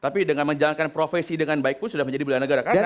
tapi dengan menjalankan profesi dengan baik pun sudah menjadi bela negara